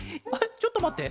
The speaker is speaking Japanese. ちょっとまって。